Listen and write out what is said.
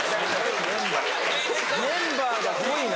メンバーが濃いな。